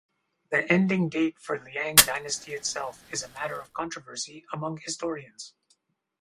The ending date for Liang dynasty itself is a matter of controversy among historians.